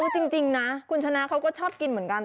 จริงนะคุณชนะเขาก็ชอบกินเหมือนกัน